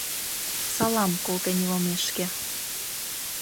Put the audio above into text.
Салам колтен илымешке